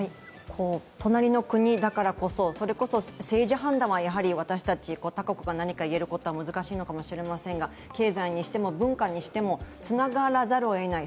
隣の国だからこそ、政治判断は私たち他国が何かいえることは難しいかもしれませんが経済にしても文化にしても、つながらざるをえない。